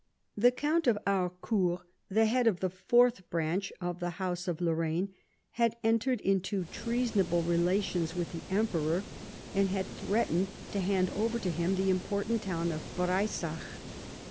The Count of Harcourt, the head of the fourth branch of the house of Lorraine, had entered into treasonable relations with the Emperor, and had threatened to hand over to him the important town of Breisach.